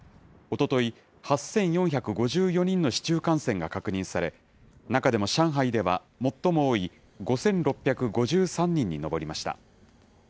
おととい、８４５４人の市中感染が確認され、中でも上海では、最も多い５６５３人に上りました。